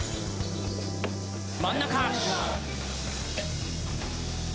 真ん中！